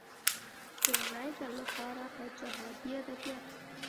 د لومړي ځل لپاره په جهادي ادبياتو کې.